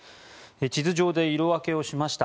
地図上で色分けしました。